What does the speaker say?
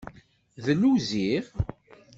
Dlu ziɣ.